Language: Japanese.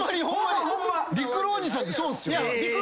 りくろーおじさんってそうっすよね。